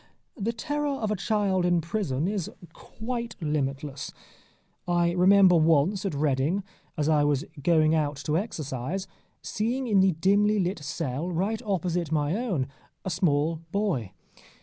The terror of a child in prison is quite limitless. I remember once in Reading, as I was going out to exercise, seeing in the dimly lit cell, right opposite my own, a small boy.